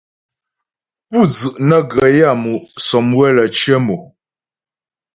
Pú dzu' nə́ gə yaə́mu' sɔmywə lə́ cyə mò.